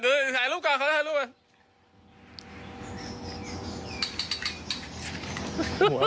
เดี๋ยวหายรูปก่อนเขาหายรูปมา